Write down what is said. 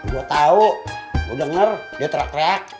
gue tau gue denger dia terak rek